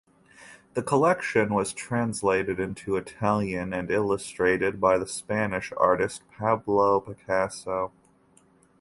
The collection was translated into Italian and illustrated by the Spanish artist Pablo Picasso.